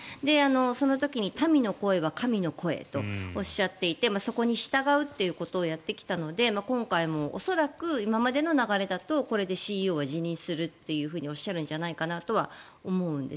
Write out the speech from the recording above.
その時に民の声は神の声とおっしゃっていてそこに従うということをやってきたので今回も恐らく、今までの流れだとこれでＣＥＯは辞任するとおっしゃるんじゃないかとは思うんです。